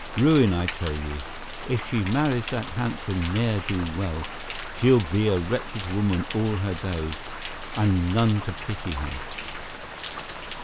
Ruin, I tell ye. If she marries that handsome ne'er do well, she'll be a wretched woman all her days and none to pity her."